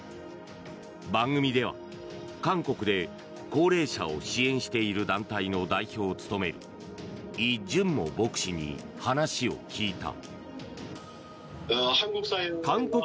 番組では、韓国で高齢者を支援している団体の代表を務めるイ・ジュンモ牧師に話を聞いた。